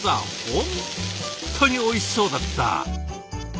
本当においしそうだった。